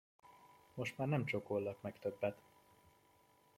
Most már nem csókollak meg többet!